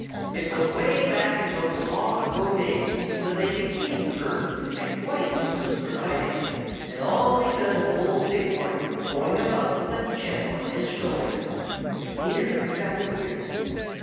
It was way back in those long ago days that they became curved and quite useless for fighting, and all because of old Big Horn going about with a chip on his shoulder." Peter pricked up his ears.